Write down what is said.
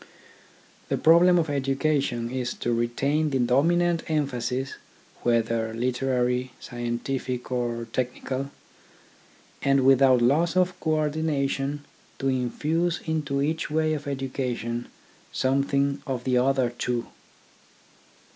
The problem of education is to retain the dominant emphasis, whether literary, scientific, or technical, and without loss of co ordination to infuse into each way of education something of the other two.